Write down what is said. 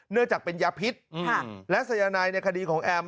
เนื่องจากเป็นยาพิษและสายนายในคดีของแอม